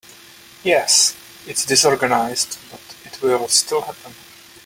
Yes, it’s disorganized but it will still happen.